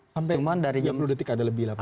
sampai dua puluh detik ada lebih lah pasti